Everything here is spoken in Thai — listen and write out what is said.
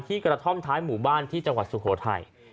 กระท่อมท้ายหมู่บ้านที่จังหวัดสุโขทัย